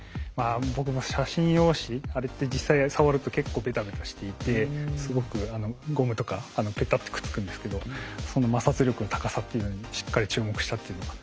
僕も写真用紙あれって実際触ると結構ベタベタしていてすごくゴムとかペタッてくっつくんですけどその摩擦力の高さっていうのにしっかり注目したっていうのが。